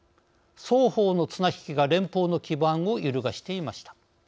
双方の綱引きが連邦の基盤を揺るがしていました。